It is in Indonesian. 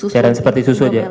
cairan seperti susu aja